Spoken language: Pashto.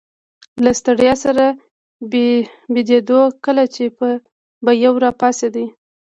له ستړیا سره بیدېدو، کله چي به یو راپاڅېد.